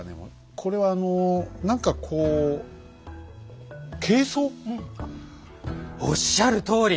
これはあの何かこうおっしゃるとおり！